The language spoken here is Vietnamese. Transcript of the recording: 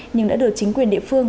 nhưng đã được chính quyền địa phương